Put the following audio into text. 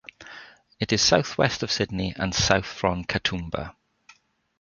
It is south west of Sydney and south from Katoomba.